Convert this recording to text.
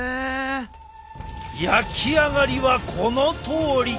焼き上がりはこのとおり！